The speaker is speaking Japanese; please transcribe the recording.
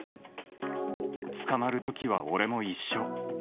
捕まる時は俺も一緒。